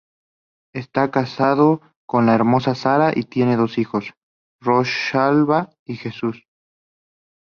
Está casado con la hermosa Sara y tiene dos hijos: Rosalba y Jesús.